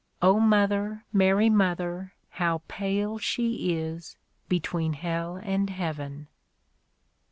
(O Mother, Mary Mother, How pale she is, between Hell and Heaven